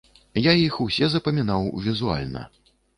Я іх усе запамінаў візуальна.